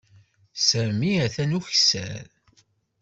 Sami atan ukessar.